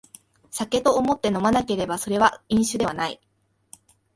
酒と思って飲まなければそれは飲酒ではない